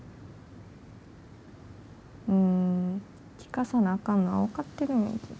うん聞かさなあかんのは分かってるんやけど。